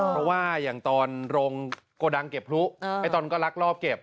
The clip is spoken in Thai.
เพราะว่าอย่างตอนโรงโกดังเก็บพลุไอ้ตอนก็ลักลอบเก็บ